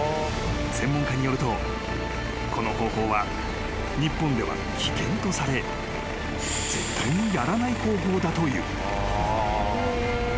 ［専門家によるとこの方法は日本では危険とされ絶対にやらない方法だという］